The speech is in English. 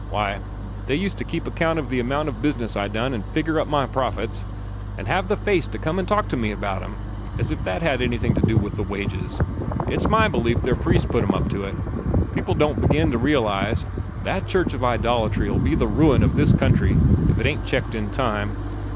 Why, they used to keep account o' the amount o' business I done, an' figger up my profits, an' have the face to come an' talk to me about 'em, as if that had anything to do with wages. It's my belief their priests put 'em up to it. People don't begin to reelize that church of idolatry 'll be the ruin o' this country, if it ain't checked in time.